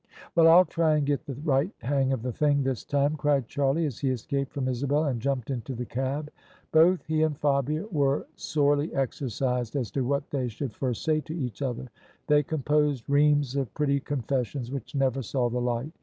" Well, I'll try and get the right hang of the thing this time," cried Charlie, as he escaped from Isabel and jumped into the cab. Both he and Fabia were sorely exercised as to what they should first say to each other: they composed reams of pretty confessions which never saw the light.